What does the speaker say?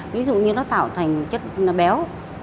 ví dụ như nó tạo thành chất béo